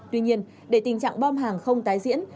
tuy nhiên để tình trạng bom hàng không tái diễn